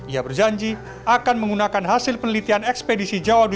ia berjanji akan menggunakan hasil penelitian ekspedisi jawa timur